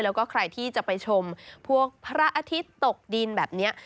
แล้วก็ใครที่จะไปชมพวกพระอาทิตย์ตกดินแบบนี้